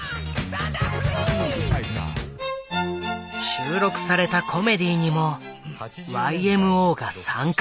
収録されたコメディーにもＹＭＯが参加。